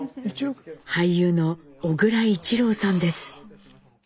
俳優の小倉一郎さんです。